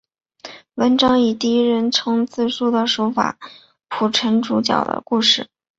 文章以第一人称自叙的手法铺陈主角的故事。